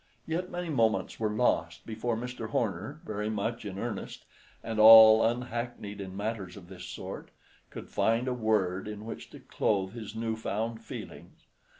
Yet many moments were lost before Mr. Horner, very much in earnest, and all unhackneyed in matters of this sort, could find a word in which to clothe his new found feelings.